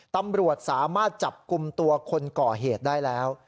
ตำรวจสามารถจับกลุ่มตัวคนก่อเหตุได้แล้ว